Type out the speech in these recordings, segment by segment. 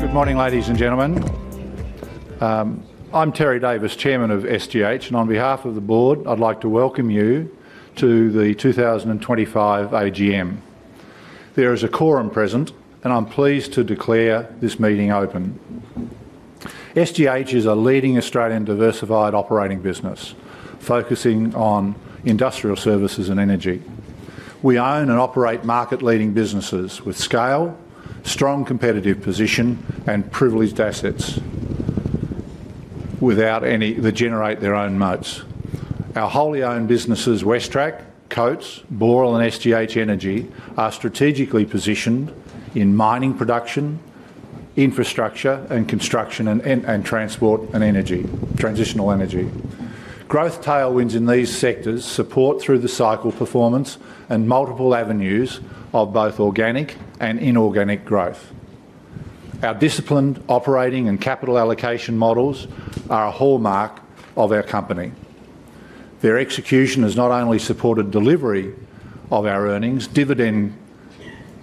Good morning, ladies and gentlemen. I'm Terry Davis, Chairman of SGH, and on behalf of the Board, I'd like to welcome you to the 2025 AGM. There is a quorum present, and I'm pleased to declare this meeting open. SGH is a leading Australian diversified operating business focusing on industrial services and energy. We own and operate market-leading businesses with scale, strong competitive position, and privileged assets that generate their own moats. Our wholly owned businesses, WesTrac, Coates, Boral, and SGH Energy, are strategically positioned in mining production, infrastructure, and construction, and transport and transitional energy. Growth tailwinds in these sectors support, through the cycle, performance and multiple avenues of both organic and inorganic growth. Our disciplined operating and capital allocation models are a hallmark of our company. Their execution has not only supported delivery of our earnings, dividend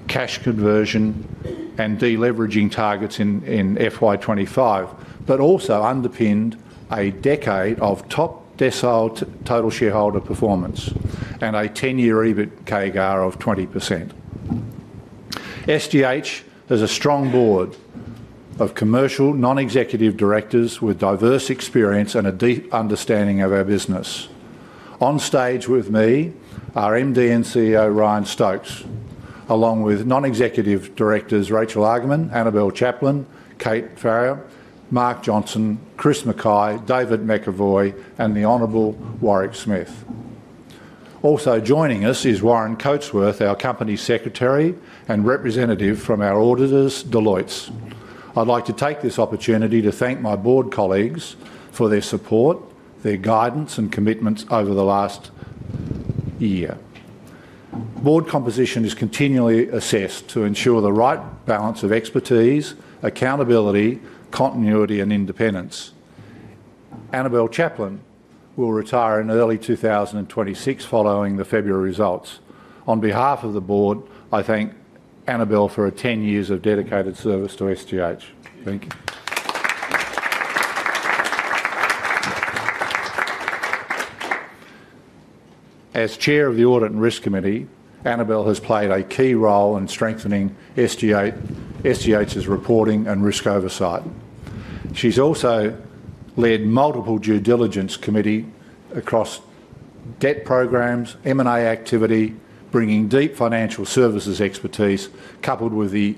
cash conversion, and deleveraging targets in FY25, but also underpinned a decade of top decile total shareholder performance and a 10-year EBIT CAGR of 20%. SGH has a strong Board of commercial non-executive directors with diverse experience and a deep understanding of our business. On stage with me are MD and CEO Ryan Stokes, along with non-executive directors Rachel Argus, Annabel Chaplin, Kate Farrow, Mark Johnson, Chris McKay, David McAvoy, and the Honourable Warwick Smith. Also joining us is Warren Coatsworth, our Company Secretary, and representative from our auditors, Deloitte. I'd like to take this opportunity to thank my Board colleagues for their support, their guidance, and commitments over the last year. Board composition is continually assessed to ensure the right balance of expertise, accountability, continuity, and independence. Annabel Chaplin will retire in early 2026 following the February results. On behalf of the Board, I thank Annabel for her 10 years of dedicated service to SGH. Thank you. As Chair of the Audit and Risk Committee, Annabel has played a key role in strengthening SGH's reporting and risk oversight. She's also led multiple due diligence committees across debt programs, M&A activity, bringing deep financial services expertise, coupled with the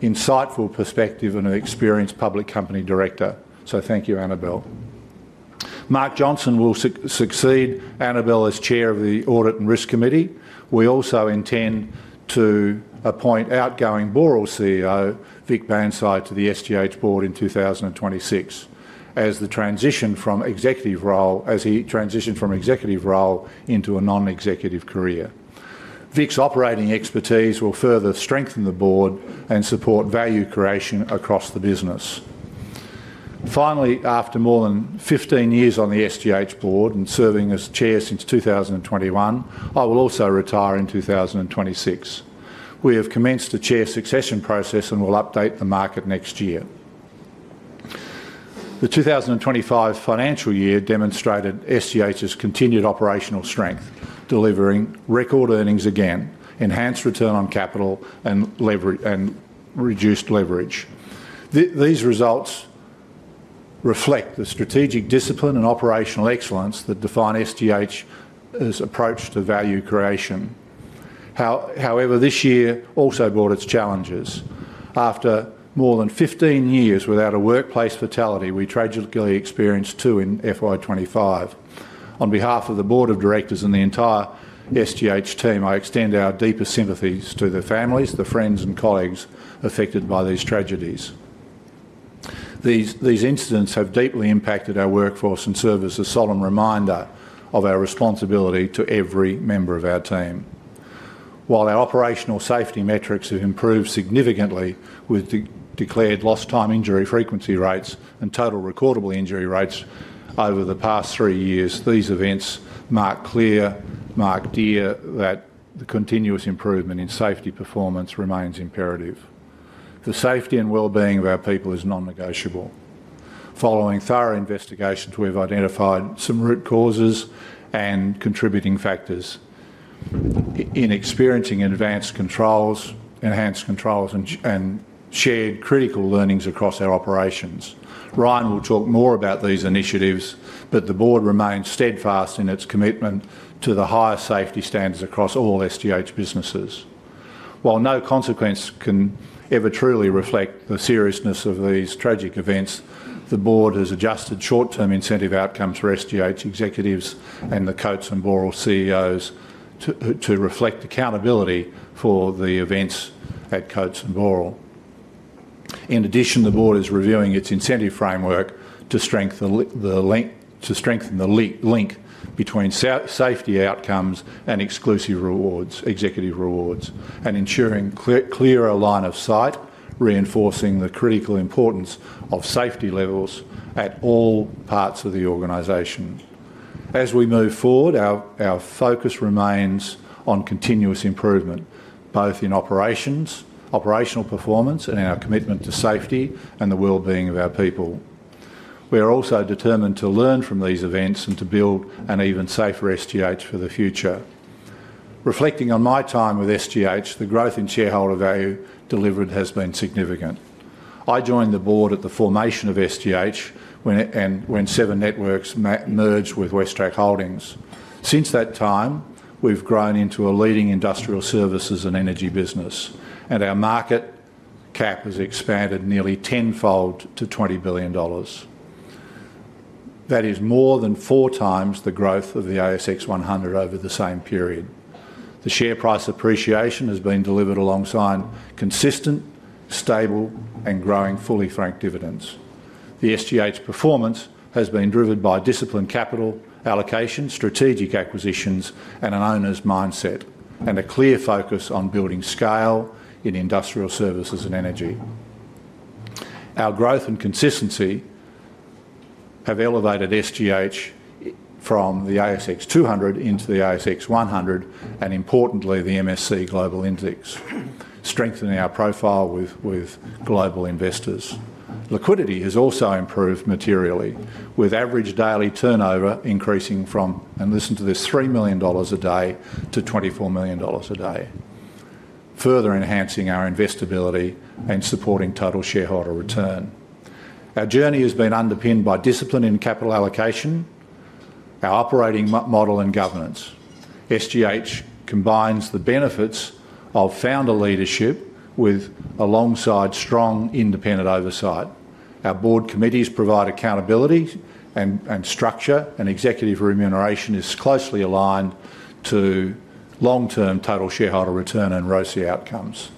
insightful perspective of an experienced public company director. So thank you, Annabel. Mark Johnson will succeed Annabel as Chair of the Audit and Risk Committee. We also intend to appoint outgoing Boral CEO, Vic Bansal, to the SGH Board in 2026 as he transitions from executive role into a non-executive career. Vic's operating expertise will further strengthen the Board and support value creation across the business. Finally, after more than 15 years on the SGH Board and serving as Chair since 2021, I will also retire in 2026. We have commenced the Chair succession process and will update the market next year. The 2025 financial year demonstrated SGH's continued operational strength, delivering record earnings again, enhanced return on capital, and reduced leverage. These results reflect the strategic discipline and operational excellence that define SGH's approach to value creation. However, this year also brought its challenges. After more than 15 years without a workplace fatality, we tragically experienced two in FY255. On behalf of the Board of Directors and the entire SGH team, I extend our deepest sympathies to the families, the friends, and colleagues affected by these tragedies. These incidents have deeply impacted our workforce and serve as a solemn reminder of our responsibility to every member of our team. While our operational safety metrics have improved significantly with declared lost time injury frequency rates and total recordable injury rates over the past three years, these events mark clear, mark dear that the continuous improvement in safety performance remains imperative. The safety and well-being of our people is non-negotiable. Following thorough investigations, we have identified some root causes and contributing factors in experiencing advanced controls, enhanced controls, and shared critical learnings across our operations. Ryan will talk more about these initiatives, but the Board remains steadfast in its commitment to the highest safety standards across all SGH businesses. While no consequence can ever truly reflect the seriousness of these tragic events, the Board has adjusted short-term incentive outcomes for SGH executives and the Coates and Boral CEOs to reflect accountability for the events at Coates and Boral. In addition, the Board is reviewing its incentive framework to strengthen the link between safety outcomes and executive rewards, and ensuring a clearer line of sight, reinforcing the critical importance of safety levels at all parts of the organisation. As we move forward, our focus remains on continuous improvement, both in operational performance and in our commitment to safety and the well-being of our people. We are also determined to learn from these events and to build an even safer SGH for the future. Reflecting on my time with SGH, the growth in shareholder value delivered has been significant. I joined the Board at the formation of SGH and when Seven Networks merged with WesTrac Holdings. Since that time, we've grown into a leading industrial services and energy business, and our market cap has expanded nearly tenfold to $20 billion. That is more than four times the growth of the ASX 100 over the same period. The share price appreciation has been delivered alongside consistent, stable, and growing fully franked dividends. The SGH performance has been driven by disciplined capital allocation, strategic acquisitions, and an owner's mindset, and a clear focus on building scale in industrial services and energy. Our growth and consistency have elevated SGH from the ASX 200 into the ASX 100 and, importantly, the MSCI World Index, strengthening our profile with global investors. Liquidity has also improved materially, with average daily turnover increasing from—and listen to this—$3 million a day to $24 million a day, further enhancing our investability and supporting total shareholder return. Our journey has been underpinned by discipline in capital allocation, our operating model, and governance. SGH combines the benefits of founder leadership alongside strong independent oversight. Our Board committees provide accountability and structure, and executive remuneration is closely aligned to long-term total shareholder return and ROSI outcomes.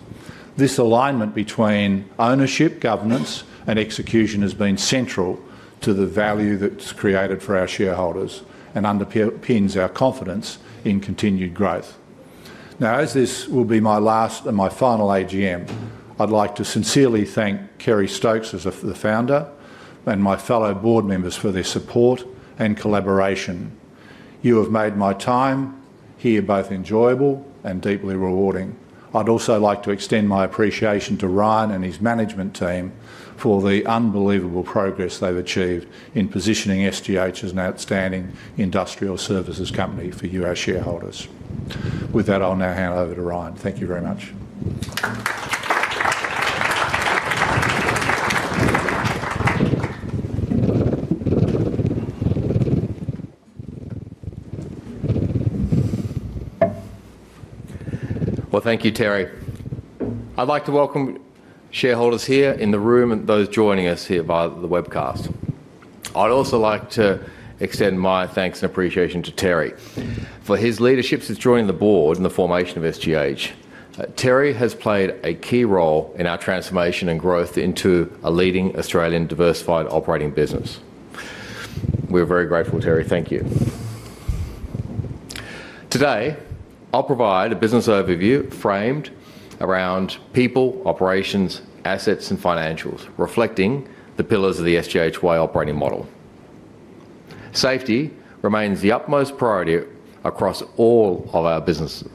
This alignment between ownership, governance, and execution has been central to the value that is created for our shareholders and underpins our confidence in continued growth. Now, as this will be my last and my final AGM, I would like to sincerely thank Kerry Stokes as the founder and my fellow Board members for their support and collaboration. You have made my time here both enjoyable and deeply rewarding. I would also like to extend my appreciation to Ryan and his management team for the unbelievable progress they have achieved in positioning SGH as an outstanding industrial services company for you, our shareholders. With that, I will now hand over to Ryan. Thank you very much. Thank you, Terry. I'd like to welcome shareholders here in the room and those joining us here via the webcast. I'd also like to extend my thanks and appreciation to Terry for his leadership since joining the Board and the formation of SGH. Terry has played a key role in our transformation and growth into a leading Australian diversified operating business. We're very grateful, Terry. Thank you. Today, I'll provide a business overview framed around people, operations, assets, and financials, reflecting the pillars of the SGH way operating model. Safety remains the utmost priority across all of our businesses.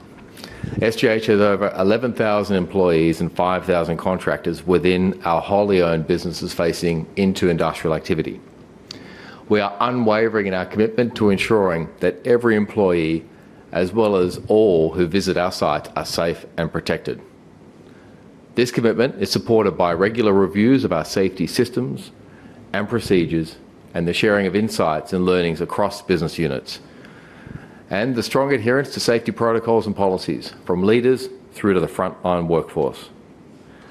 SGH has over 11,000 employees and 5,000 contractors within our wholly owned businesses facing into industrial activity. We are unwavering in our commitment to ensuring that every employee, as well as all who visit our site, are safe and protected. This commitment is supported by regular reviews of our safety systems and procedures and the sharing of insights and learnings across business units, and the strong adherence to safety protocols and policies from leaders through to the frontline workforce.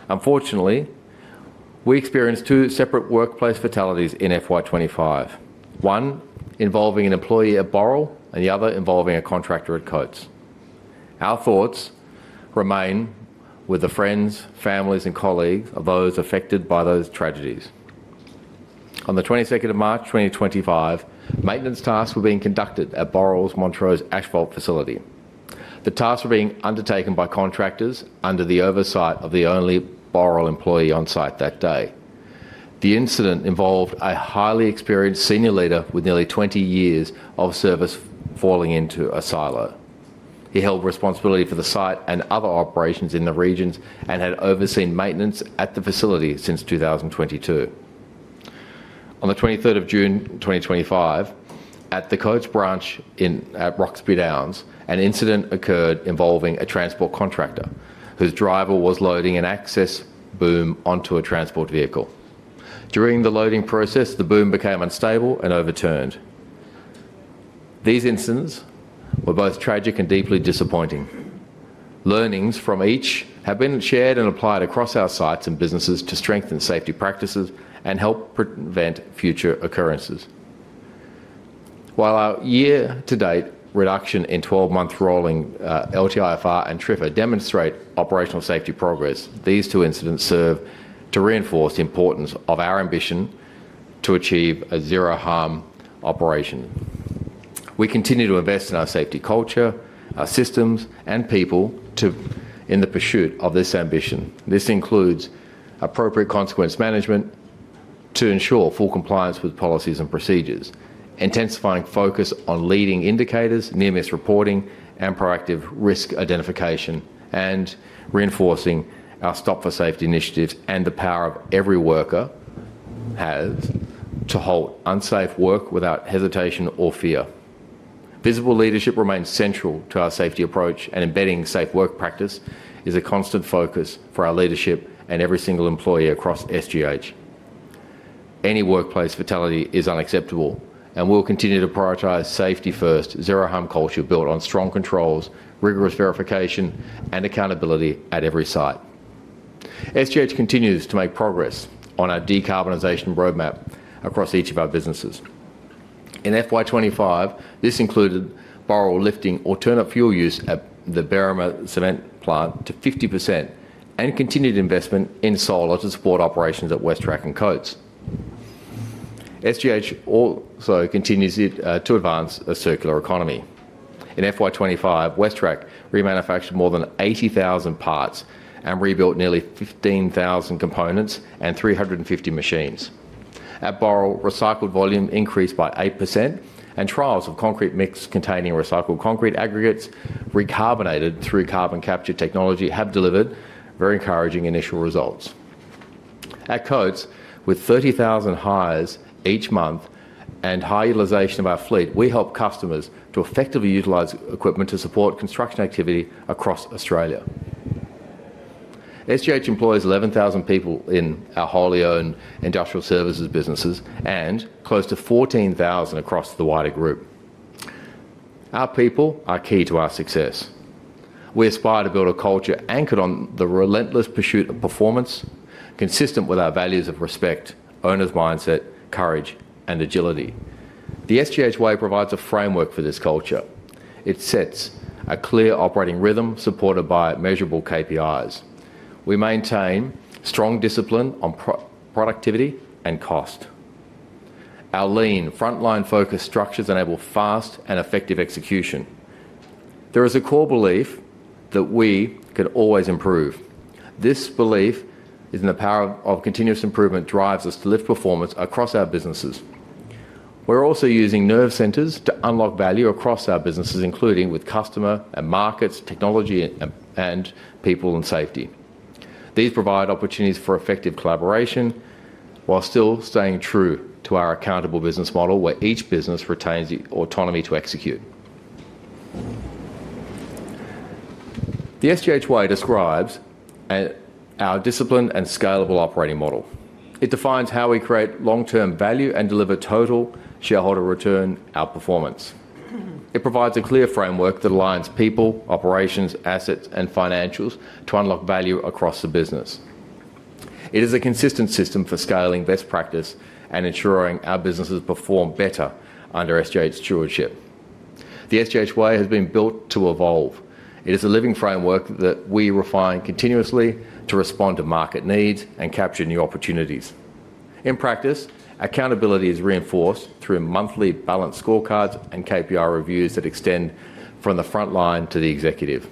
Unfortunately, we experienced two separate workplace fatalities in FY25, one involving an employee at Boral and the other involving a contractor at Coates. Our thoughts remain with the friends, families, and colleagues of those affected by those tragedies. On the 22nd of March 2025, maintenance tasks were being conducted at Boral's Montrose Asphalt Facility. The tasks were being undertaken by contractors under the oversight of the only Boral employee on site that day. The incident involved a highly experienced senior leader with nearly 20 years of service falling into a silo. He held responsibility for the site and other operations in the regions and had overseen maintenance at the facility since 2022. On the 23rd of June 2025, at the Coates branch at Roxby Downs, an incident occurred involving a transport contractor whose driver was loading an access boom onto a transport vehicle. During the loading process, the boom became unstable and overturned. These incidents were both tragic and deeply disappointing. Learnings from each have been shared and applied across our sites and businesses to strengthen safety practices and help prevent future occurrences. While our year-to-date reduction in 12-month rolling LTIFR and TRIFR demonstrate operational safety progress, these two incidents serve to reinforce the importance of our ambition to achieve a zero-harm operation. We continue to invest in our safety culture, our systems, and people in the pursuit of this ambition. This includes appropriate consequence management to ensure full compliance with policies and procedures, intensifying focus on leading indicators, near-miss reporting, and proactive risk identification, and reinforcing our stop-for-safety initiatives and the power every worker has to halt unsafe work without hesitation or fear. Visible leadership remains central to our safety approach, and embedding safe work practice is a constant focus for our leadership and every single employee across SGH. Any workplace fatality is unacceptable, and we'll continue to prioritize safety first, zero-harm culture built on strong controls, rigorous verification, and accountability at every site. SGH continues to make progress on our decarbonisation roadmap across each of our businesses. In FY25, this included Boral lifting alternate fuel use at the Berrima Cement Plant to 50% and continued investment in solar to support operations at WesTrac and Coates. SGH also continues to advance a circular economy. In FY25, WesTrac remanufactured more than 80,000 parts and rebuilt nearly 15,000 components and 350 machines. At Boral, recycled volume increased by 8%, and trials of concrete mix containing recycled concrete aggregates recarbonated through carbon capture technology have delivered very encouraging initial results. At Coates, with 30,000 hires each month and high utilization of our fleet, we help customers to effectively utilize equipment to support construction activity across Australia. SGH employs 11,000 people in our wholly owned industrial services businesses and close to 14,000 across the wider group. Our people are key to our success. We aspire to build a culture anchored on the relentless pursuit of performance, consistent with our values of respect, owner's mindset, courage, and agility. The SGH way provides a framework for this culture. It sets a clear operating rhythm supported by measurable KPIs. We maintain strong discipline on productivity and cost. Our lean, frontline-focused structures enable fast and effective execution. There is a core belief that we can always improve. This belief in the power of continuous improvement drives us to lift performance across our businesses. We're also using nerve centres to unlock value across our businesses, including with customer and markets, technology, and people and safety. These provide opportunities for effective collaboration while still staying true to our accountable business model, where each business retains the autonomy to execute. The SGH way describes our discipline and scalable operating model. It defines how we create long-term value and deliver total shareholder return outperformance. It provides a clear framework that aligns people, operations, assets, and financials to unlock value across the business. It is a consistent system for scaling best practice and ensuring our businesses perform better under SGH stewardship. The SGH way has been built to evolve. It is a living framework that we refine continuously to respond to market needs and capture new opportunities. In practice, accountability is reinforced through monthly balance scorecards and KPI reviews that extend from the frontline to the executive.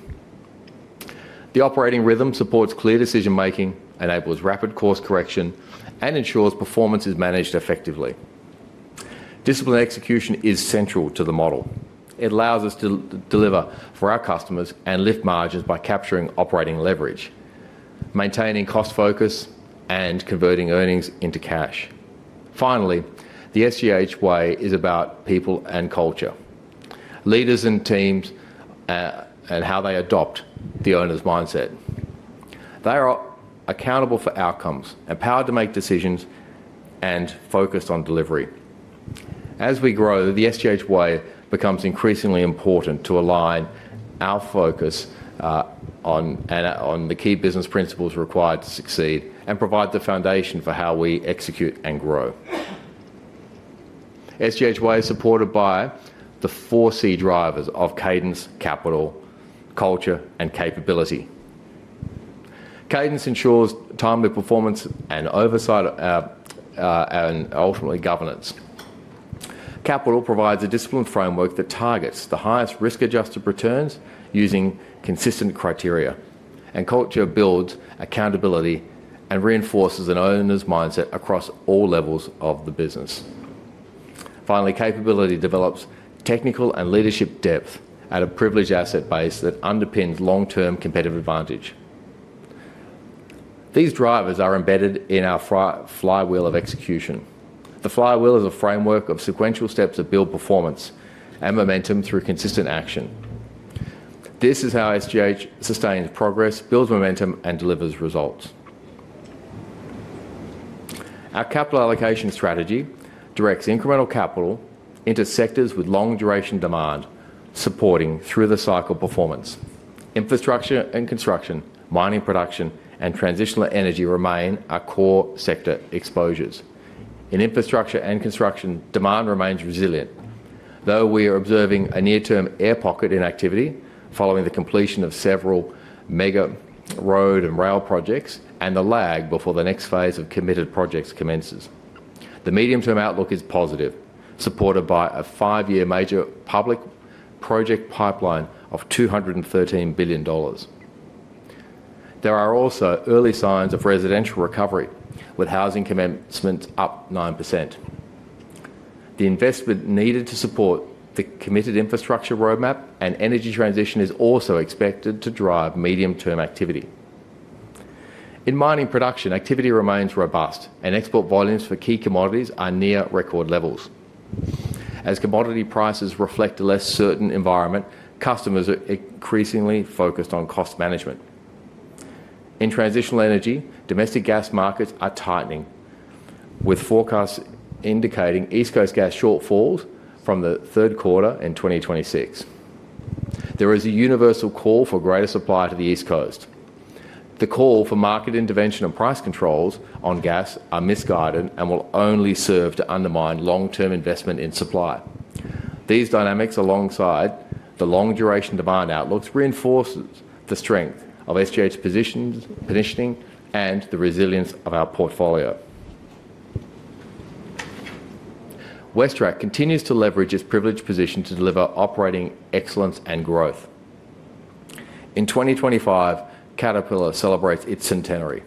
The operating rhythm supports clear decision-making, enables rapid course correction, and ensures performance is managed effectively. Disciplined execution is central to the model. It allows us to deliver for our customers and lift margins by capturing operating leverage, maintaining cost focus, and converting earnings into cash. Finally, the SGH way is about people and culture, leaders and teams, and how they adopt the owner's mindset. They are accountable for outcomes, empowered to make decisions, and focused on delivery. As we grow, the SGH way becomes increasingly important to align our focus on the key business principles required to succeed and provide the foundation for how we execute and grow. SGH way is supported by the four C drivers of cadence, capital, culture, and capability. Cadence ensures timely performance and oversight and ultimately governance. Capital provides a disciplined framework that targets the highest risk-adjusted returns using consistent criteria, and culture builds accountability and reinforces an owner's mindset across all levels of the business. Finally, capability develops technical and leadership depth at a privileged asset base that underpins long-term competitive advantage. These drivers are embedded in our flywheel of execution. The flywheel is a framework of sequential steps that build performance and momentum through consistent action. This is how SGH sustains progress, builds momentum, and delivers results. Our capital allocation strategy directs incremental capital into sectors with long-duration demand, supporting through-the-cycle performance. Infrastructure and construction, mining production, and transitional energy remain our core sector exposures. In infrastructure and construction, demand remains resilient, though we are observing a near-term air pocket in activity following the completion of several mega road and rail projects and the lag before the next phase of committed projects commences. The medium-term outlook is positive, supported by a five-year major public project pipeline of $213 billion. There are also early signs of residential recovery, with housing commencements up 9%. The investment needed to support the committed infrastructure roadmap and energy transition is also expected to drive medium-term activity. In mining production, activity remains robust, and export volumes for key commodities are near record levels. As commodity prices reflect a less certain environment, customers are increasingly focused on cost management. In transitional energy, domestic gas markets are tightening, with forecasts indicating East Coast gas shortfalls from the third quarter in 2026. There is a universal call for greater supply to the East Coast. The call for market intervention and price controls on gas are misguided and will only serve to undermine long-term investment in supply. These dynamics, alongside the long-duration demand outlooks, reinforce the strength of SGH's positioning and the resilience of our portfolio. WesTrac continues to leverage its privileged position to deliver operating excellence and growth. In 2025, Caterpillar celebrates its centenary.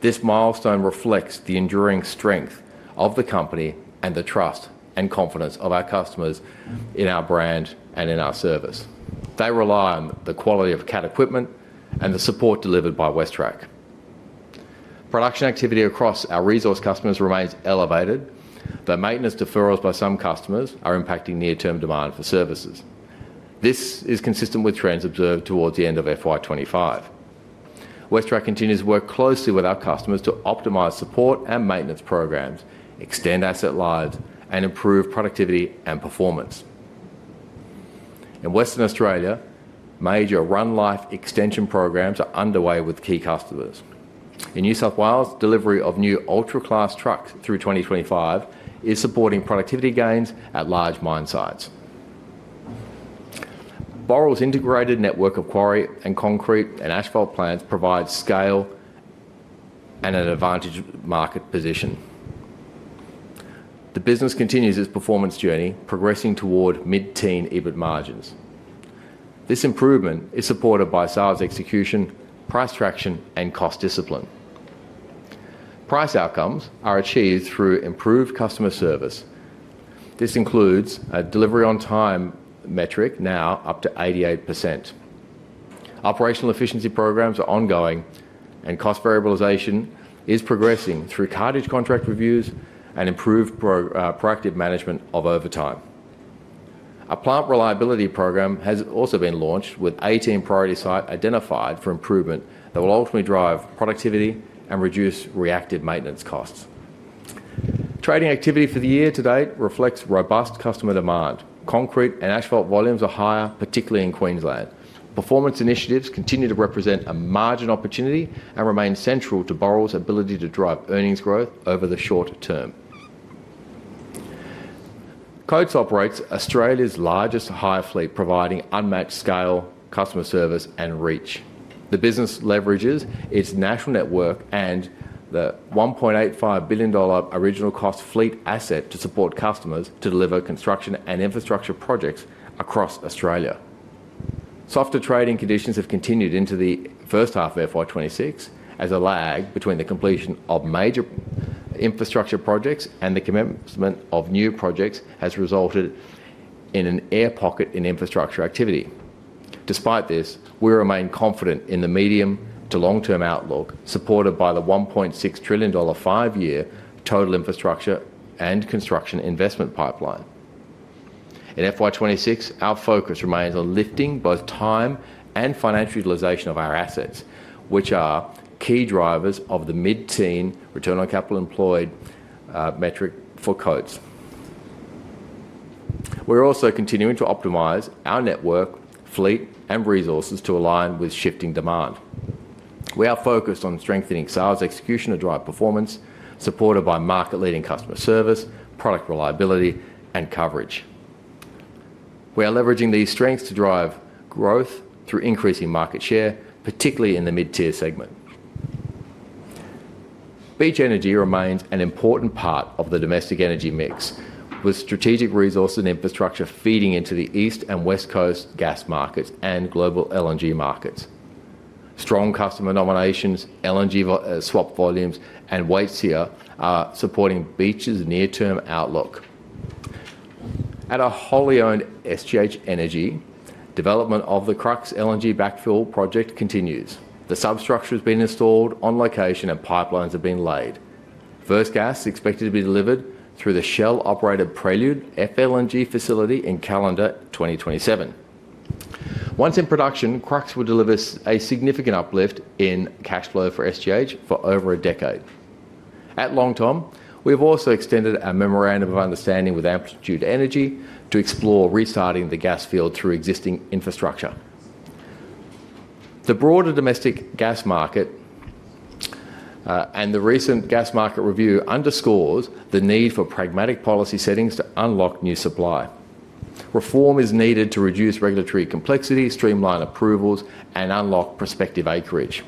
This milestone reflects the enduring strength of the company and the trust and confidence of our customers in our brand and in our service. They rely on the quality of CAT equipment and the support delivered by WesTrac. Production activity across our resource customers remains elevated, though maintenance deferrals by some customers are impacting near-term demand for services. This is consistent with trends observed towards the end of FY25. WesTrac continues to work closely with our customers to optimize support and maintenance programs, extend asset lives, and improve productivity and performance. In Western Australia, major run-life extension programs are underway with key customers. In New South Wales, delivery of new ultra-class trucks through 2025 is supporting productivity gains at large mine sites. Boral's integrated network of quarry and concrete and asphalt plants provides scale and an advantageous market position. The business continues its performance journey, progressing toward mid-teen EBIT margins. This improvement is supported by S&OP Execution, price traction, and cost discipline. Price outcomes are achieved through improved customer service. This includes a delivery-on-time metric now up to 88%. Operational efficiency programs are ongoing, and cost variabilization is progressing through cartridge contract reviews and improved proactive management of overtime. A plant reliability program has also been launched, with 18 priority sites identified for improvement that will ultimately drive productivity and reduce reactive maintenance costs. Trading activity for the year-to-date reflects robust customer demand. Concrete and asphalt volumes are higher, particularly in Queensland. Performance initiatives continue to represent a margin opportunity and remain central to Boral's ability to drive earnings growth over the short term. Coates operates Australia's largest hire fleet, providing unmatched scale, customer service, and reach. The business leverages its national network and the $1.85 billion original cost fleet asset to support customers to deliver construction and infrastructure projects across Australia. Softer trading conditions have continued into the first half of FY26, as a lag between the completion of major infrastructure projects and the commencement of new projects has resulted in an air pocket in infrastructure activity. Despite this, we remain confident in the medium- to long-term outlook, supported by the $1.6 trillion five-year total infrastructure and construction investment pipeline. In FY2026, our focus remains on lifting both time and financial utilisation of our assets, which are key drivers of the mid-teen return on capital employed metric for Coates. We're also continuing to optimise our network, fleet, and resources to align with shifting demand. We are focused on strengthening S&OP Execution to drive performance, supported by market-leading customer service, product reliability, and coverage. We are leveraging these strengths to drive growth through increasing market share, particularly in the mid-tier segment. Beach Energy remains an important part of the domestic energy mix, with strategic resources and infrastructure feeding into the East and West Coast gas markets and global LNG markets. Strong customer nominations, LNG swap volumes, and weights here are supporting Beach's near-term outlook. At a wholly owned SGH Energy, development of the Crux LNG backfill project continues. The substructure has been installed on location, and pipelines have been laid. First gas is expected to be delivered through the Shell-operated Prelude FLNG facility in calendar 2027. Once in production, Crux will deliver a significant uplift in cash flow for SGH for over a decade. At Long Tom, we have also extended our memorandum of understanding with Amplitude Energy to explore restarting the gas field through existing infrastructure. The broader domestic gas market and the recent gas market review underscores the need for pragmatic policy settings to unlock new supply. Reform is needed to reduce regulatory complexity, streamline approvals, and unlock prospective acreage.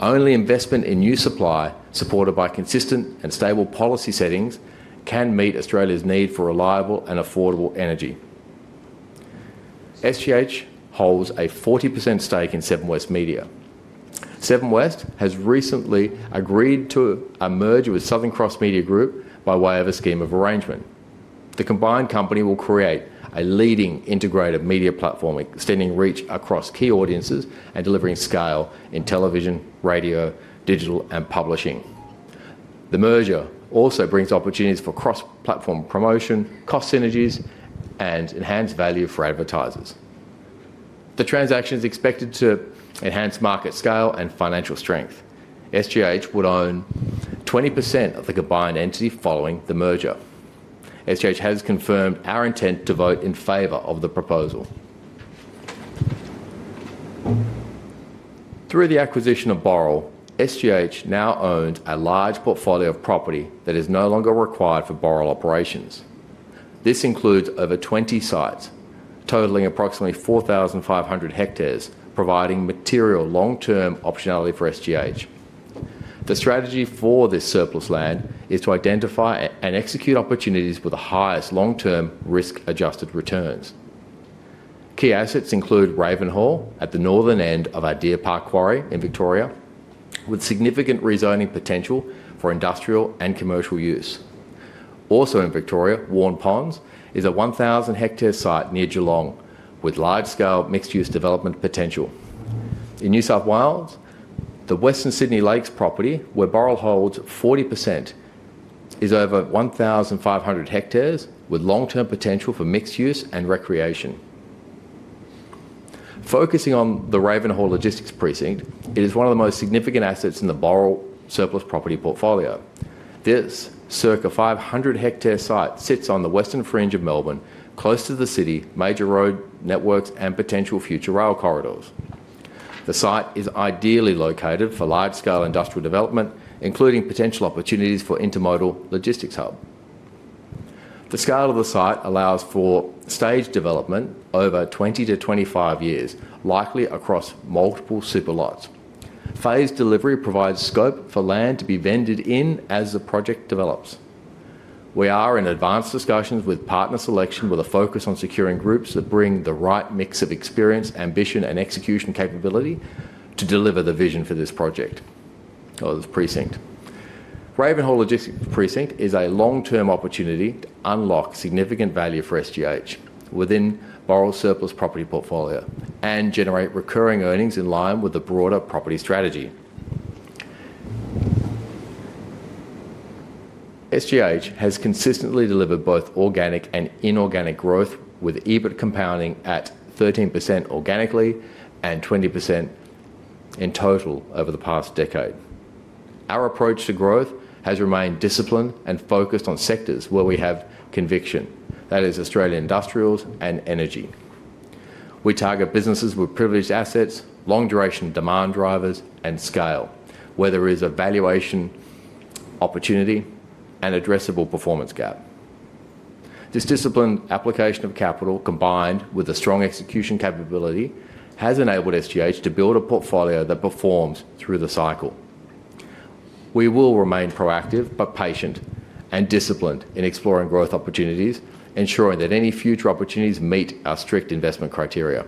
Only investment in new supply, supported by consistent and stable policy settings, can meet Australia's need for reliable and affordable energy. SGH holds a 40% stake in Seven West Media. Seven West has recently agreed to a merger with Southern Cross Media Group by way of a scheme of arrangement. The combined company will create a leading integrated media platform, extending reach across key audiences and delivering scale in television, radio, digital, and publishing. The merger also brings opportunities for cross-platform promotion, cost synergies, and enhanced value for advertisers. The transaction is expected to enhance market scale and financial strength. SGH would own 20% of the combined entity following the merger. SGH has confirmed our intent to vote in favor of the proposal. Through the acquisition of Boral, SGH now owns a large portfolio of property that is no longer required for Boral operations. This includes over 20 sites, totaling approximately 4,500 hectares, providing material long-term optionality for SGH. The strategy for this surplus land is to identify and execute opportunities with the highest long-term risk-adjusted returns. Key assets include Ravenhall at the northern end of our Deer Park quarry in Victoria, with significant rezoning potential for industrial and commercial use. Also in Victoria, Warn Ponds is a 1,000-hectare site near Geelong, with large-scale mixed-use development potential. In New South Wales, the Western Sydney Lakes property, where Boral holds 40%, is over 1,500 hectares, with long-term potential for mixed use and recreation. Focusing on the Ravenhall Logistics Precinct, it is one of the most significant assets in the Boral surplus property portfolio. This circa 500-hectare site sits on the western fringe of Melbourne, close to the city, major road networks, and potential future rail corridors. The site is ideally located for large-scale industrial development, including potential opportunities for intermodal logistics hub. The scale of the site allows for staged development over 20-25 years, likely across multiple superlots. Phased delivery provides scope for land to be vended in as the project develops. We are in advanced discussions with partner selection, with a focus on securing groups that bring the right mix of experience, ambition, and execution capability to deliver the vision for this project or this precinct. Ravenhall Logistics Precinct is a long-term opportunity to unlock significant value for SGH within Boral surplus property portfolio and generate recurring earnings in line with the broader property strategy. SGH has consistently delivered both organic and inorganic growth, with EBIT compounding at 13% organically and 20% in total over the past decade. Our approach to growth has remained disciplined and focused on sectors where we have conviction, that is, Australian industrials and energy. We target businesses with privileged assets, long-duration demand drivers, and scale, where there is a valuation opportunity and addressable performance gap. This disciplined application of capital, combined with a strong execution capability, has enabled SGH to build a portfolio that performs through the cycle. We will remain proactive but patient and disciplined in exploring growth opportunities, ensuring that any future opportunities meet our strict investment criteria.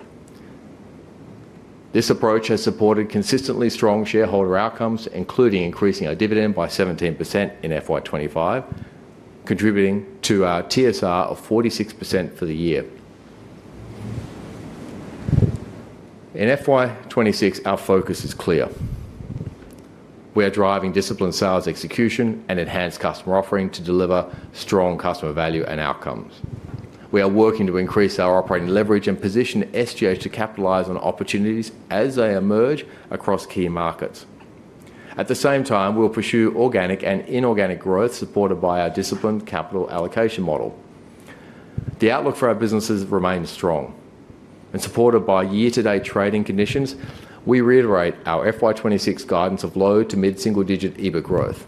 This approach has supported consistently strong shareholder outcomes, including increasing our dividend by 17% in FY25, contributing to our TSR of 46% for the year. In FY26, our focus is clear. We are driving disciplined S&OP Execution and enhanced customer offering to deliver strong customer value and outcomes. We are working to increase our operating leverage and position SGH to capitalise on opportunities as they emerge across key markets. At the same time, we will pursue organic and inorganic growth, supported by our disciplined capital allocation model. The outlook for our businesses remains strong. Supported by year-to-date trading conditions, we reiterate our FY26 guidance of low to mid-single-digit EBIT growth.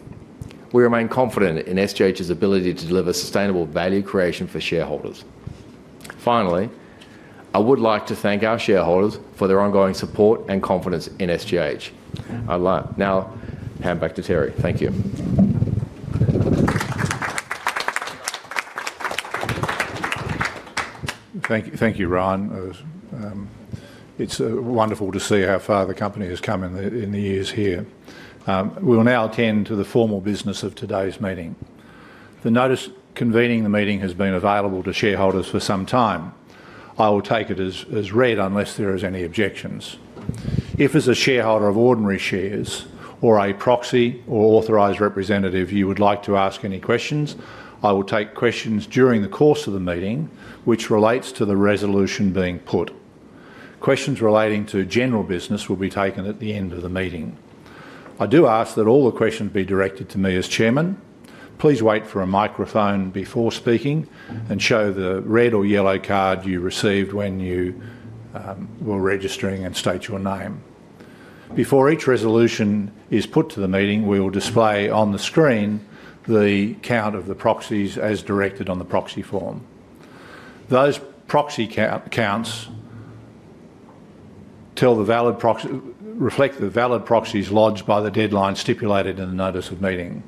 We remain confident in SGH's ability to deliver sustainable value creation for shareholders. Finally, I would like to thank our shareholders for their ongoing support and confidence in SGH. Now, hand back to Terry. Thank you. Thank you, Ryan. It is wonderful to see how far the company has come in the years here. We will now attend to the formal business of today's meeting. The notice convening the meeting has been available to shareholders for some time. I will take it as read unless there are any objections. If, as a shareholder of ordinary shares or a proxy or authorised representative, you would like to ask any questions, I will take questions during the course of the meeting, which relates to the resolution being put. Questions relating to general business will be taken at the end of the meeting. I do ask that all the questions be directed to me as Chairman. Please wait for a microphone before speaking and show the red or yellow card you received when you were registering and state your name. Before each resolution is put to the meeting, we will display on the screen the count of the proxies as directed on the proxy form. Those proxy counts reflect the valid proxies lodged by the deadline stipulated in the notice of meeting.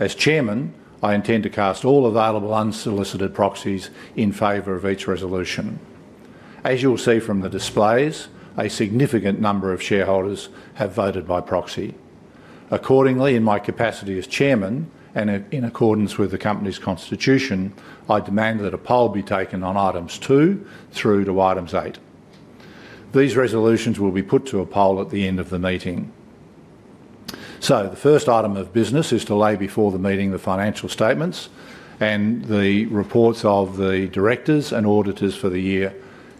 As Chairman, I intend to cast all available unsolicited proxies in favor of each resolution. As you will see from the displays, a significant number of shareholders have voted by proxy. Accordingly, in my capacity as Chairman and in accordance with the company's constitution, I demand that a poll be taken on items two through to items eight. These resolutions will be put to a poll at the end of the meeting. The first item of business is to lay before the meeting the financial statements and the reports of the directors and auditors for the year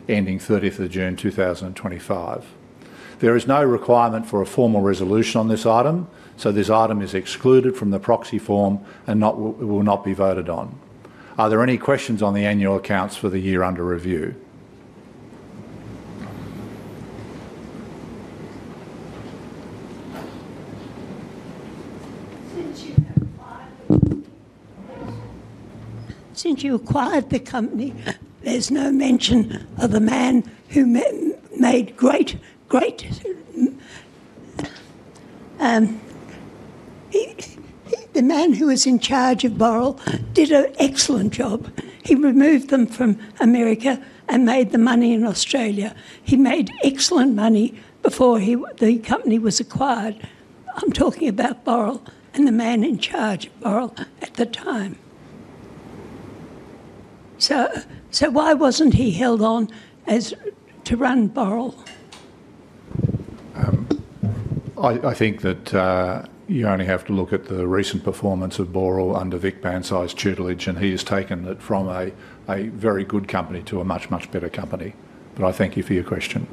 ending 30th of June 2025. There is no requirement for a formal resolution on this item, so this item is excluded from the proxy form and will not be voted on. Are there any questions on the annual accounts for the year under review? Since you acquired the company, there's no mention of a man who made great—the man who was in charge of Boral did an excellent job. He removed them from America and made the money in Australia. He made excellent money before the company was acquired. I'm talking about Boral and the man in charge of Boral at the time. So, why wasn't he held on to run Boral? I think that you only have to look at the recent performance of Boral under Vic Bansal's tutelage, and he has taken it from a very good company to a much, much better company. I thank you for your question.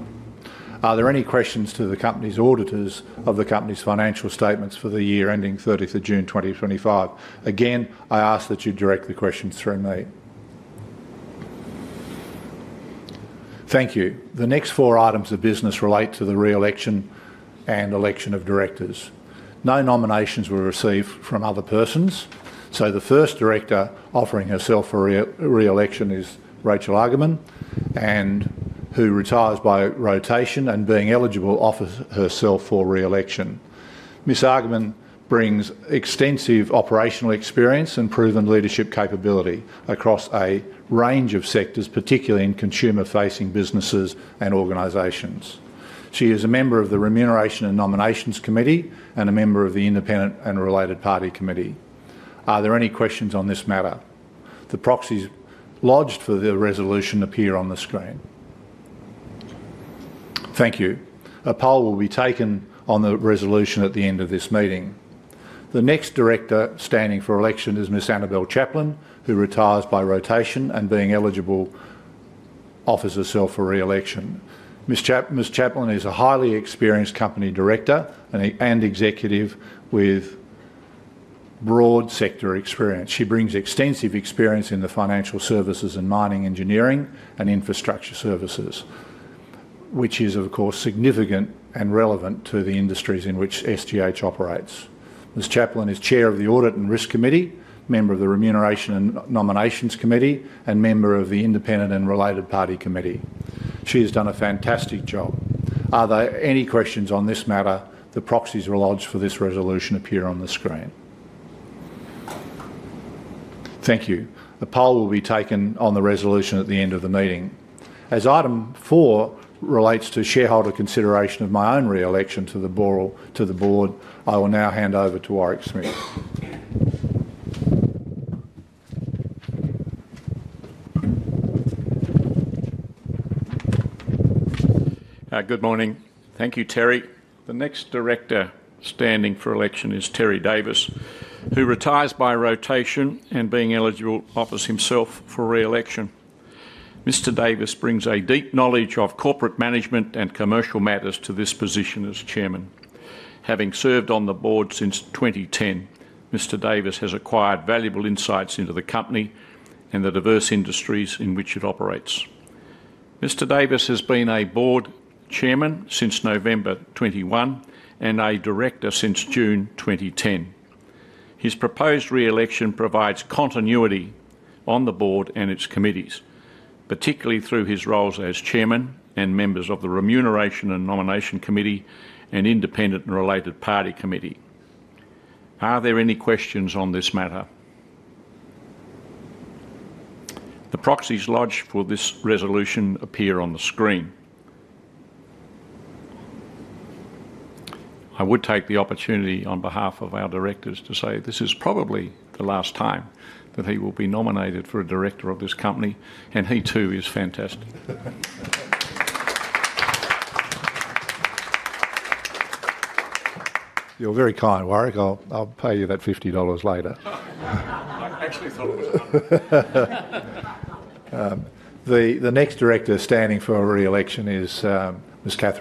Are there any questions to the company's auditors of the company's financial statements for the year ending 30th of June 2025? Again, I ask that you direct the questions through me. Thank you. The next four items of business relate to the re-election and election of directors. No nominations were received from other persons, so the first director offering herself for re-election is Rachel Argus, who retires by rotation and, being eligible, offers herself for re-election. Miss Argus brings extensive operational experience and proven leadership capability across a range of sectors, particularly in consumer-facing businesses and organizations. She is a member of the Remuneration and Nominations Committee and a member of the Independent and Related Party Committee. Are there any questions on this matter? The proxies lodged for the resolution appear on the screen. Thank you. A poll will be taken on the resolution at the end of this meeting. The next director standing for election is Miss Annabel Chaplin, who retires by rotation and, being eligible, offers herself for re-election. Miss Chaplin is a highly experienced company director and executive with broad sector experience. She brings extensive experience in the financial services and mining engineering and infrastructure services, which is, of course, significant and relevant to the industries in which SGH operates. Miss Chaplin is Chair of the Audit and Risk Committee, member of the Remuneration and Nominations Committee, and member of the Independent and Related Party Committee. She has done a fantastic job. Are there any questions on this matter? The proxies lodged for this resolution appear on the screen. Thank you. A poll will be taken on the resolution at the end of the meeting. As item four relates to shareholder consideration of my own re-election to the board, I will now hand over to Warwick Smith. Good morning. Thank you, Terry. The next director standing for election is Terry Davis, who retires by rotation and, being eligible, offers himself for re-election. Mr. Davis brings a deep knowledge of corporate management and commercial matters to this position as Chairman. Having served on the board since 2010, Mr. Davis has acquired valuable insights into the company and the diverse industries in which it operates. Mr. Davis has been a Board Chairman since November 2021 and a director since June 2010. His proposed re-election provides continuity on the board and its committees, particularly through his roles as Chairman and member of the Remuneration and Nomination Committee and Independent and Related Party Committee. Are there any questions on this matter? The proxies lodged for this resolution appear on the screen. I would take the opportunity on behalf of our directors to say this is probably the last time that he will be nominated for a director of this company, and he, too, is fantastic. You're very kind, Warwick. I'll pay you that $50 later. I actually thought it was $100. The next director standing for re-election is Miss Kate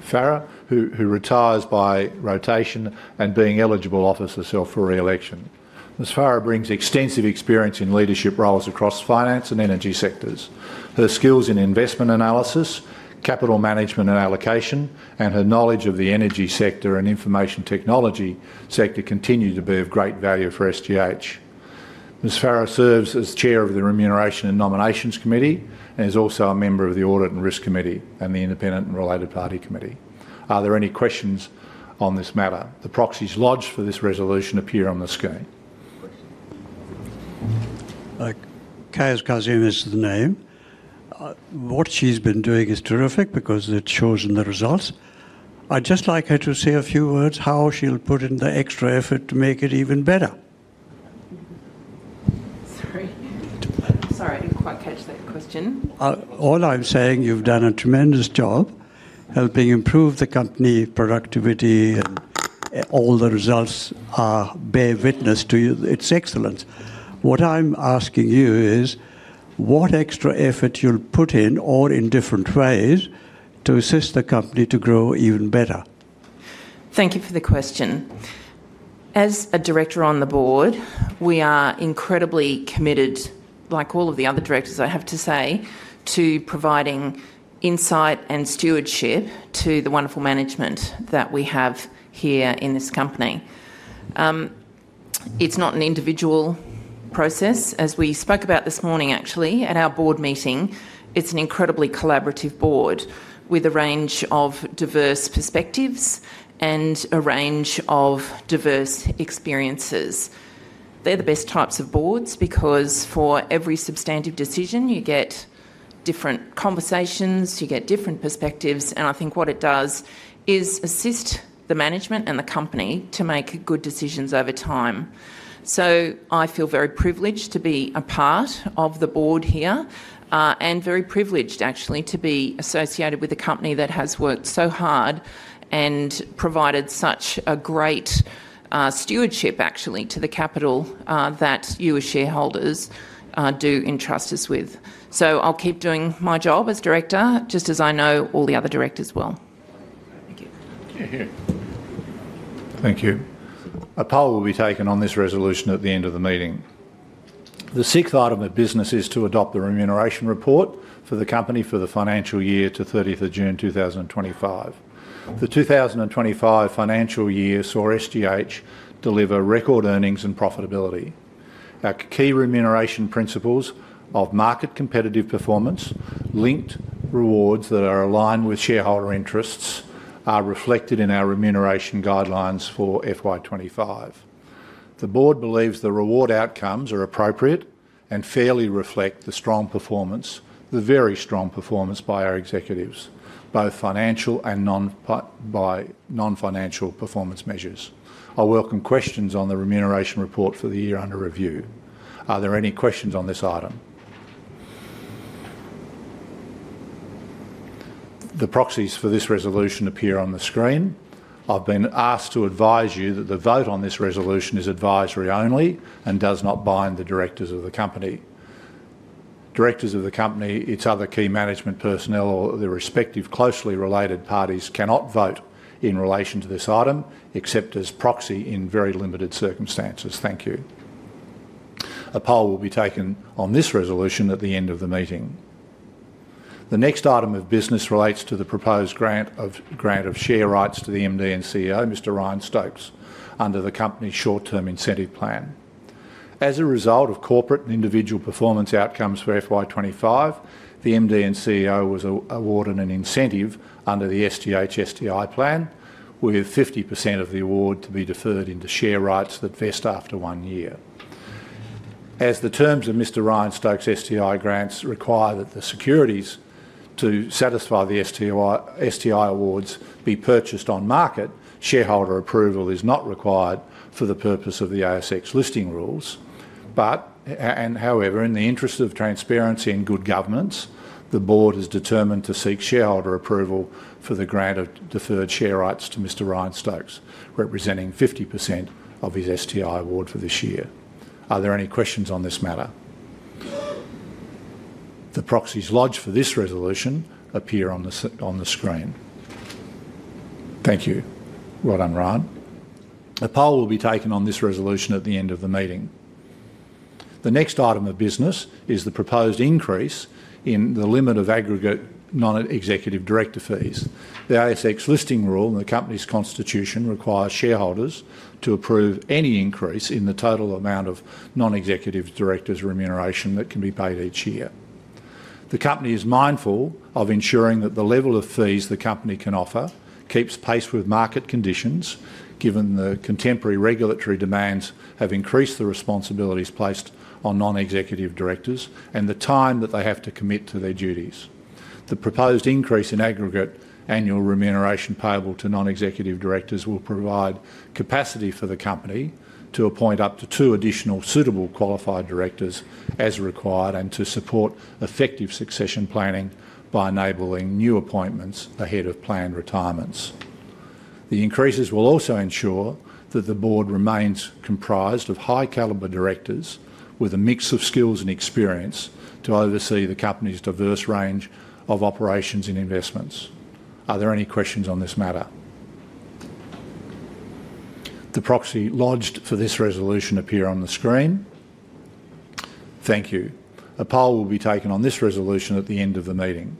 Farrow, who retires by rotation and, being eligible, offers herself for re-election. Miss Farrow brings extensive experience in leadership roles across finance and energy sectors. Her skills in investment analysis, capital management and allocation, and her knowledge of the energy sector and information technology sector continue to be of great value for SGH. Miss Farrow serves as Chair of the Remuneration and Nominations Committee and is also a member of the Audit and Risk Committee and the Independent and Related Party Committee. Are there any questions on this matter? The proxies lodged for this resolution appear on the screen. KSKZM is the name. What she's been doing is terrific because it's shown the results. I'd just like her to say a few words how she'll put in the extra effort to make it even better. Sorry. Sorry, I didn't quite catch that question. All I'm saying, you've done a tremendous job helping improve the company productivity, and all the results bear witness to its excellence. What I'm asking you is what extra effort you'll put in, or in different ways, to assist the company to grow even better. Thank you for the question. As a director on the board, we are incredibly committed, like all of the other directors, I have to say, to providing insight and stewardship to the wonderful management that we have here in this company. It's not an individual process, as we spoke about this morning, actually, at our board meeting. It's an incredibly collaborative board with a range of diverse perspectives and a range of diverse experiences. They're the best types of boards because for every substantive decision, you get different conversations, you get different perspectives, and I think what it does is assist the management and the company to make good decisions over time. I feel very privileged to be a part of the board here and very privileged, actually, to be associated with a company that has worked so hard and provided such a great stewardship, actually, to the capital that you, as shareholders, do entrust us with. I'll keep doing my job as director, just as I know all the other directors will. Thank you. Thank you. A poll will be taken on this resolution at the end of the meeting. The sixth item of business is to adopt the remuneration report for the company for the financial year to 30th of June 2025. The 2025 financial year saw SGH deliver record earnings and profitability. Our key remuneration principles of market competitive performance, linked rewards that are aligned with shareholder interests, are reflected in our remuneration guidelines for FY25. The board believes the reward outcomes are appropriate and fairly reflect the strong performance, the very strong performance by our executives, both financial and non-financial performance measures. I welcome questions on the remuneration report for the year under review. Are there any questions on this item? The proxies for this resolution appear on the screen. I've been asked to advise you that the vote on this resolution is advisory only and does not bind the directors of the company. Directors of the company, its other key management personnel, or the respective closely related parties cannot vote in relation to this item except as proxy in very limited circumstances. Thank you. A poll will be taken on this resolution at the end of the meeting. The next item of business relates to the proposed grant of share rights to the MD and CEO, Mr. Ryan Stokes, under the company's short-term incentive plan. As a result of corporate and individual performance outcomes for FY25, the MD and CEO were awarded an incentive under the SGH STI plan, with 50% of the award to be deferred into share rights that vest after one year. As the terms of Mr. Ryan Stokes' STI grants require that the securities to satisfy the STI awards be purchased on market, shareholder approval is not required for the purpose of the ASX listing rules. However, in the interest of transparency and good governance, the board is determined to seek shareholder approval for the grant of deferred share rights to Mr. Ryan Stokes, representing 50% of his STI award for this year. Are there any questions on this matter? The proxies lodged for this resolution appear on the screen. Thank you. Well done, Ryan. A poll will be taken on this resolution at the end of the meeting. The next item of business is the proposed increase in the limit of aggregate non-executive director fees. The ASX listing rule and the company's constitution require shareholders to approve any increase in the total amount of non-executive directors' remuneration that can be paid each year. The company is mindful of ensuring that the level of fees the company can offer keeps pace with market conditions, given the contemporary regulatory demands have increased the responsibilities placed on non-executive directors and the time that they have to commit to their duties. The proposed increase in aggregate annual remuneration payable to non-executive directors will provide capacity for the company to appoint up to two additional suitably qualified directors as required and to support effective succession planning by enabling new appointments ahead of planned retirements. The increases will also ensure that the board remains comprised of high-caliber directors with a mix of skills and experience to oversee the company's diverse range of operations and investments. Are there any questions on this matter? The proxies lodged for this resolution appear on the screen. Thank you. A poll will be taken on this resolution at the end of the meeting.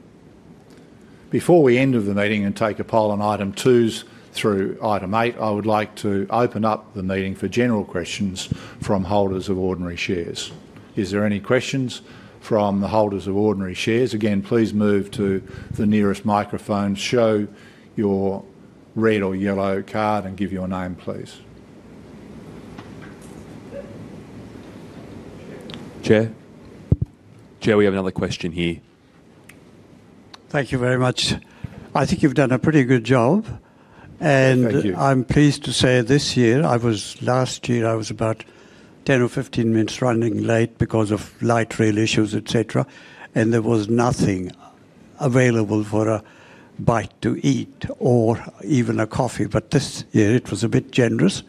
Before we end the meeting and take a poll on items two through item eight, I would like to open up the meeting for general questions from holders of ordinary shares. Are there any questions from the holders of ordinary shares? Again, please move to the nearest microphone, show your red or yellow card, and give your name, please. Chair. Chair, we have another question here. Thank you very much. I think you've done a pretty good job. I am pleased to say this year, last year, I was about 10 or 15 minutes running late because of light rail issues, etc., and there was nothing available for a bite to eat or even a coffee. This year, it was a bit generous.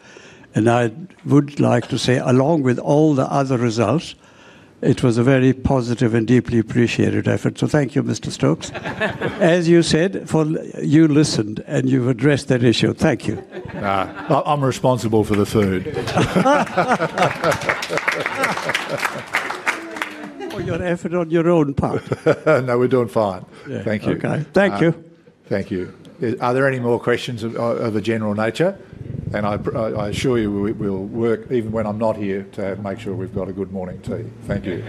I would like to say, along with all the other results, it was a very positive and deeply appreciated effort. Thank you, Mr. Stokes. As you said, you listened and you have addressed that issue. Thank you. I am responsible for the food. For your effort on your own part. No, we are doing fine. Thank you. Okay. Thank you. Thank you. Are there any more questions of a general nature? I assure you we'll work, even when I'm not here, to make sure we've got a good morning tea. Thank you.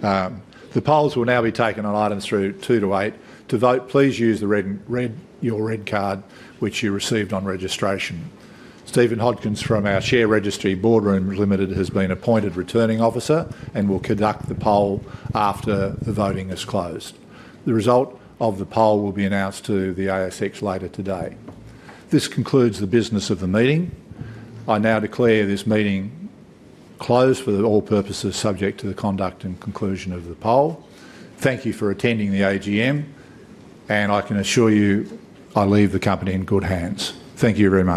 The polls will now be taken on items two to eight. To vote, please use your red card, which you received on registration. Stephen Hodgkins from our share registry Boardroom Limited has been appointed returning officer and will conduct the poll after the voting is closed. The result of the poll will be announced to the ASX later today. This concludes the business of the meeting. I now declare this meeting closed for all purposes subject to the conduct and conclusion of the poll. Thank you for attending the AGM, and I can assure you I leave the company in good hands. Thank you very much.